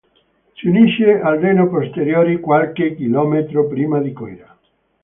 Si unisce al Reno Posteriore qualche chilometro prima di Coira.